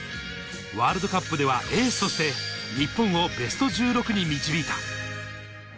ワールドカップではエースとして日本をベスト１６に導いた。